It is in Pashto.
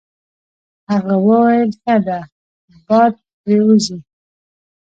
هغه وویل: ښه ده باد پرې وځي.